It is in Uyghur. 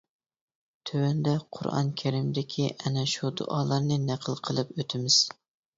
تۆۋەندە قۇرئان كەرىمدىكى ئەنە شۇ دۇئالارنى نەقىل قىلىپ ئۆتىمىز.